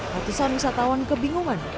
ratusan wisatawan kebingungan